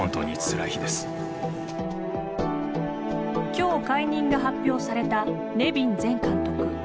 今日、解任が発表されたネビン前監督。